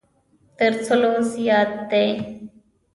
تر سلو زیات دی.